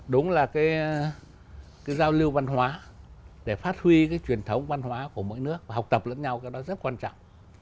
đúng là cái giao lưu văn hóa để phát huy cái truyền thống văn hóa của mỗi nước và học tập lẫn nhau cái đó rất quan trọng